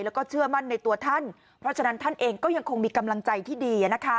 แล้วก็เชื่อมั่นในตัวท่านเพราะฉะนั้นท่านเองก็ยังคงมีกำลังใจที่ดี